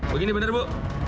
begini benar bu